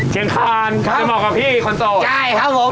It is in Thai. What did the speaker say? เชียงคานครับจะเหมาะกับพี่คนโตใช่ครับผม